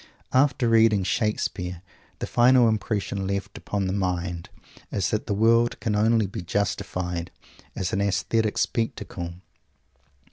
After reading Shakespeare, the final impression left upon the mind is that the world can only be justified as an aesthetic spectacle.